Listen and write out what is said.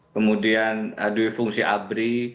kemudian adui fungsi abri